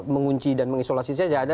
mengunci dan mengisolasi saja